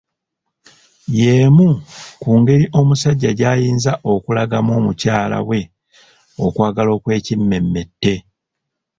Y'emu ku ngeri omusajja gy'ayinza okulagamu mukyala we okwagala okwekimmemmette.